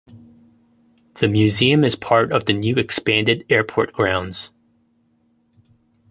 The museum is part of the new expanded airport grounds.